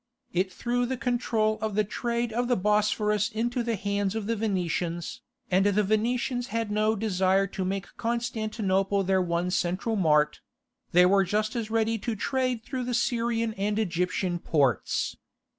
It threw the control of the trade of the Bosphorus into the hands of the Venetians, and the Venetians had no desire to make Constantinople their one central mart: they were just as ready to trade through the Syrian and Egyptian ports.